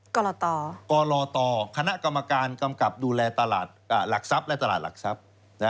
กรตกลตคณะกรรมการกำกับดูแลตลาดหลักทรัพย์และตลาดหลักทรัพย์